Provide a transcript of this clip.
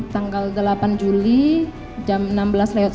tanggal delapan juli jam enam belas